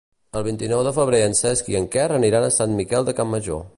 El vint-i-nou de febrer en Cesc i en Quer aniran a Sant Miquel de Campmajor.